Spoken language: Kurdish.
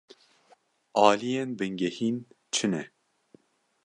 Aliyên bingehîn çi ne?